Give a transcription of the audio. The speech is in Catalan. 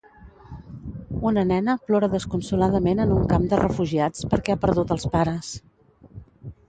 Una nena plora desconsoladament en un camp de refugiats perquè ha perdut els pares.